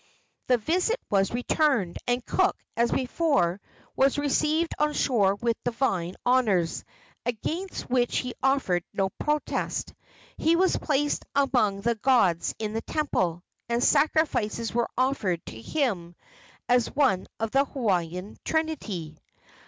The visit was returned, and Cook, as before, was received on shore with divine honors, against which he offered no protest. He was placed among the gods in the temple, and sacrifices were offered to him as one of the Hawaiian Trinity.